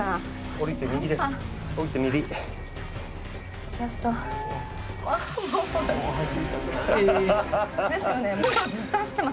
降りて右です。